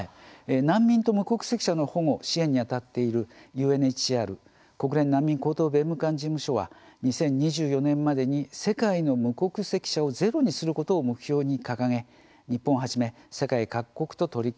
難民と無国籍者の保護、支援に当たっているＵＮＨＣＲ・国連難民高等弁務官事務所は２０２４年までに、世界の無国籍者をゼロにすることを目標に掲げ、日本をはじめ世界各国と取り組んできました。